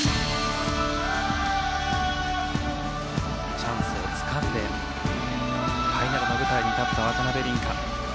チャンスをつかんでファイナルの舞台に立った渡辺倫果。